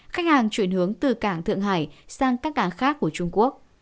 khách hàng chuyển hướng từ cảng thượng hải sang các cảng khác của trung quốc